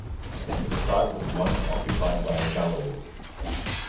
The site was once occupied by a gallows.